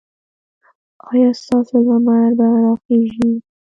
ایا ستاسو لمر به راخېژي؟